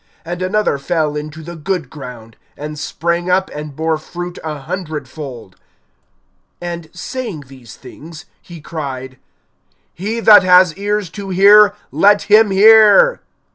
(8)And another fell into the good ground, and sprang up, and bore fruit a hundredfold. And saying these things, he cried: He that has ears to hear, let him hear.